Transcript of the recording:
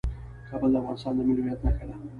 کابل د افغانستان د ملي هویت نښه ده.